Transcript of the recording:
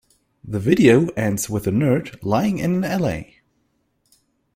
The video ends with the nerd lying in an alley.